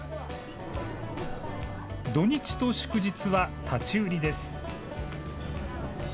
土日と祝日は立ち売りです。